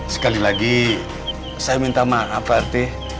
sekali lagi saya minta maaf pak rt